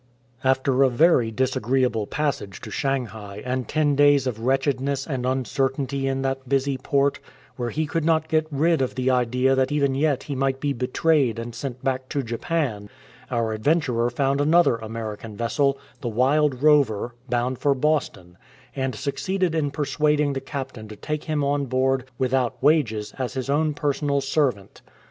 After a very disagreeable passage to Shanghai and ten days of vvretchedness and uncertainty in that busy port, where he could not get rid of the idea that even yet he might be betrayed and sent back to Japan, our ad venturer found another American vessel, the Wild Rover, bound for Boston, and succeeded in persuading the cap tain to take him on board without wages as his own personal servant.